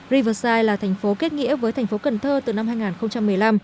riverside là thành phố kết nghĩa với thành phố cần thơ từ năm hai nghìn một mươi năm